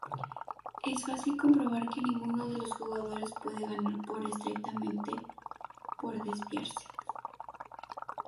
Es fácil comprobar que ninguno de los jugadores puede ganar por estrictamente por desviarse.